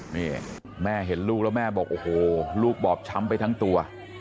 ฮี่แม่เห็นลูกลูกบอบชำทั้งตัว